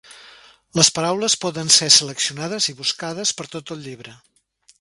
Les paraules poden ser seleccionades i buscades per tot el llibre.